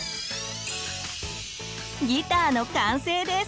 ギターの完成です。